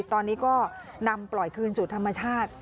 ตอนนี้ก็นำปล่อยคืนสู่ธรรมชาติ